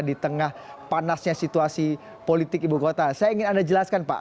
di tengah panasnya situasi politik ibu kota saya ingin anda jelaskan pak